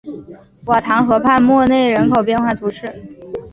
瓦唐河畔默内人口变化图示